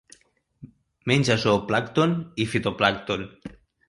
Menja zooplàncton i fitoplàncton.